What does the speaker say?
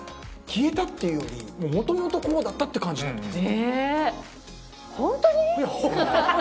消えたっていうよりもともとこうだったって感じになってます。